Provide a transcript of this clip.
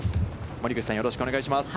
森口さん、よろしくお願いします。